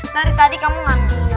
dari tadi kamu ngambilnya